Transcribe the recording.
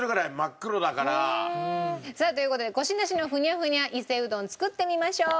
さあという事でコシなしのふにゃふにゃ伊勢うどん作ってみましょう。